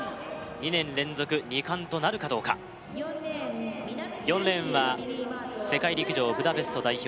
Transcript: ２年連続２冠となるかどうか４レーンは世界陸上ブダペスト代表